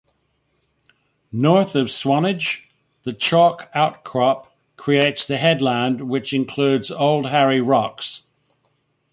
North of Swanage, the chalk outcrop creates the headland which includes Old Harry Rocks.